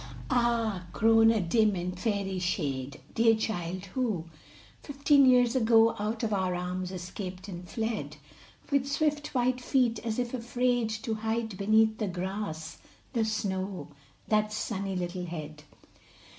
Ah! grown a dim and fairy shade, Dear child, who, fifteen years ago, Out of our arms escaped and fled With swift white feet, as if afraid, To hide beneath the grass, the snow, that sunny little head.